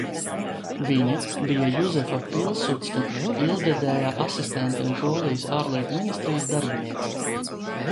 Viņa bija Juzefa Pilsudska ilggadēja asistente un Polijas Ārlietu ministrijas darbiniece.